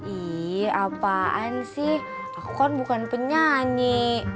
iya apaan sih aku kan bukan penyanyi